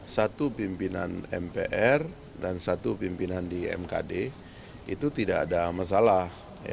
satu pimpinan mpr dan satu pimpinan di mkd itu tidak ada masalah